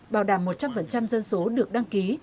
bảo đảm một trăm linh dân số được đăng ký